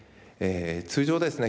通常ですね